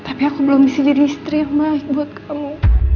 tapi aku belum bisa jadi istri buat kamu